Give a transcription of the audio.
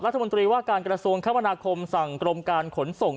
รัฐมนตรีว่าการกระทรวงคมนาคมสั่งกรมการขนส่ง